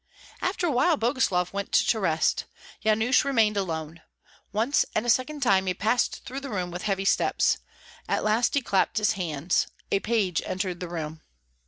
After a while Boguslav went to rest. Yanush remained alone. Once, and a second time he passed through the room with heavy steps. At last he clapped his hands. A page entered the room.